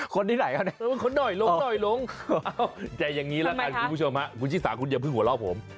คนที่ไหนกันหน่อยลงหน่อยลงแต่อย่างนี้ละกันคุณผู้ชมฮะคุณชิสาคุณอย่าเพิ่งหัวเราะผม